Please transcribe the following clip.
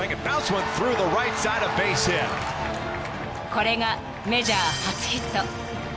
［これがメジャー初ヒット］